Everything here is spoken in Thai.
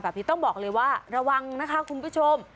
แบบนี้ต้องบอกเลยว่าระวังนะคะคุณผู้ชม